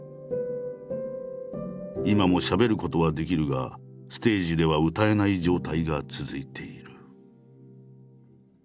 今もしゃべることはできるがステージでは歌えない状態が続いている。